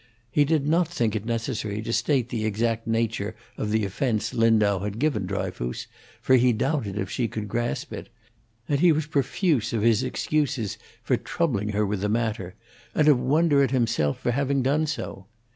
He did not think it necessary to state the exact nature of the offence Lindau had given Dryfoos, for he doubted if she could grasp it, and he was profuse of his excuses for troubling her with the matter, and of wonder at himself for having done so.